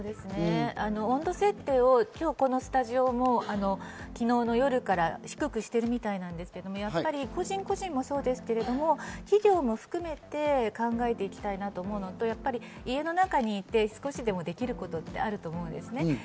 温度設定を今日、このスタジオも昨日の夜から低くしているみたいなんですけれども、やはり個人個人もそうですけれど、企業も含めて考えていきたいなと思うのと、家の中にいて少しでもできることってあると思うんです。